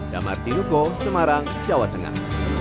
damar sinuko semarang jawa tengah